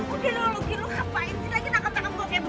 discursi eendang sih n saya lagi menunggu masih kengaruh suatunya